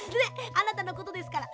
あなたのことですから。